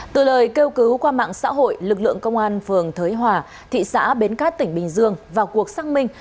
từ lời kêu cứu qua mạng xã hội lực lượng công an phường thới hòa thị xã bến cát tỉnh bình dương vào cuộc xác minh